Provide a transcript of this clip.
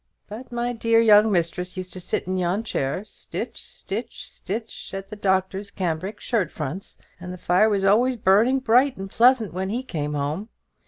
But my dear young mistress used to sit in yon chair, stitch, stitch, stitch at the Doctor's cambric shirt fronts, and the fire was always burning bright and pleasant when he came home.